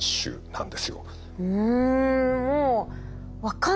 うん。